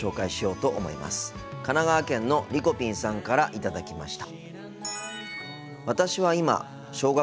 神奈川県のりこぴんさんから頂きました。